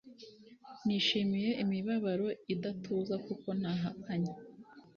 nishimiye imibabaro idatuza kuko ntahakanye